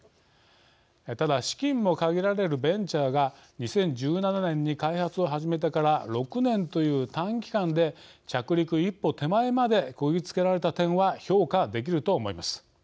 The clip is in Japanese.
ただ、資金も限られるベンチャーが２０１７年に開発を始めてから６年という短期間で着陸一歩手前までこぎつけられた点は評価できると思います。